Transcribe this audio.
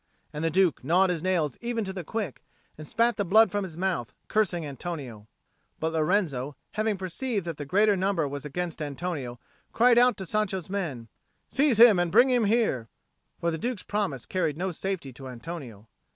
And the Duke gnawed his nails even to the quick, and spat the blood from his mouth, cursing Antonio. But Lorenzo, having perceived that the greater number was against Antonio, cried out to Sancho's men, "Seize him and bring him here!" For the Duke's promise carried no safety to Antonio.